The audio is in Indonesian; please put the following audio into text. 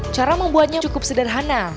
cara membuatnya cukup sederhana